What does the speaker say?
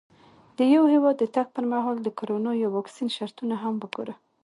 د یو هېواد د تګ پر مهال د کرونا یا واکسین شرطونه هم وګوره.